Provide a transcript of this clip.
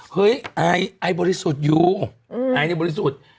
เฮ้ยไอ้บริสุทธิ์อยู่ไอ้ในบริสุทธิ์